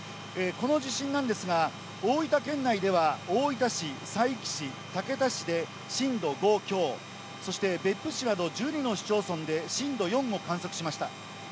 この地震なんですが、大分県内では大分市、佐伯市、竹田市で震度５強、そして、別府市など１２の市町村で震度４を観測しました。